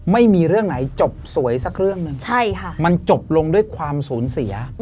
ไม่มีเรื่องไหนจบสวยสักเรื่องหนึ่งมันจบลงด้วยความสูญเสีย